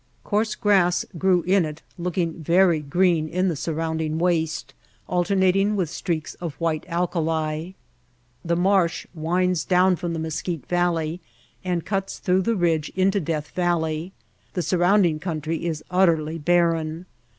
Coarse grass grew in it, looking very green in the surrounding waste, alternating with streaks of white alkali. The marsh winds down from the Mesquite Valley and cuts through the ridge into Death Valley. The surrounding country is utterly barren.